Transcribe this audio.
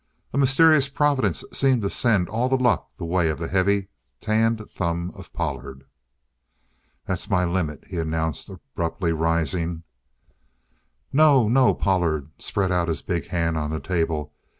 A mysterious providence seemed to send all the luck the way of the heavy, tanned thumb of Pollard. "That's my limit," he announced abruptly, rising. "No, no!" Pollard spread out his big hand on the table.